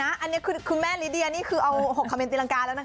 อันนี้คือแม่ลิเดียเอา๖คำเม้นตีลังการแล้วนะคะ